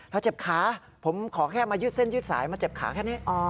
ถ้าเจ็บขาผมขอแค่มายืดเส้นยืดสายมาเจ็บขาแค่นี้